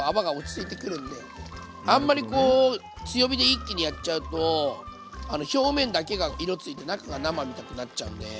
あんまりこう強火で一気にやっちゃうと表面だけが色ついて中が生みたくなっちゃうんで。